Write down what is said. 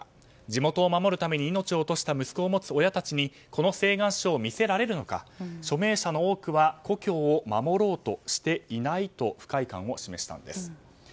地元を守るために命を落とした息子を持つ親たちにこの請願書を見せられるのか署名者の多くは故郷を守ろうとしていないと不快感を示したんです。